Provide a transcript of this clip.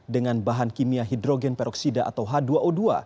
dengan bahan kimia hidrogen peroksida atau h dua o dua